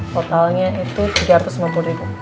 totalnya itu rp tiga ratus lima puluh